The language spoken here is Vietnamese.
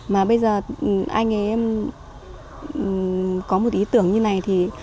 mà bây giờ anh ấy có một ý tưởng như này thì